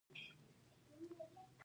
پر انسان باندي هر رنګه وختونه راځي.